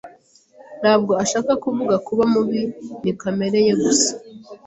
Ntabwo ashaka kuvuga kuba mubi. Ni kamere ye gusa.